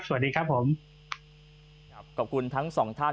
สวัสดีครับผมครับขอบคุณทั้งสองท่าน